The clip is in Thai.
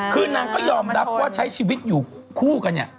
คือนางก็ยอมรับว่าใช้ชีวิตอยู่คู่กันเนี่ย